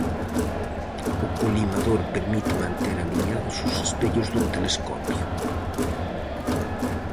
O colimador permite manter aliñados os espellos dun telescopio.